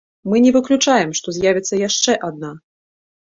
Мы не выключаем, што з'явіцца яшчэ адна!